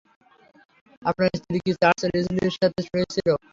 আপনার স্ত্রী কি চার্লস লিসলির সাথে শুয়েছিল?